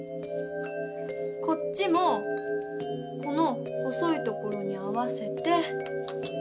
こっちもこの細いところに合わせて。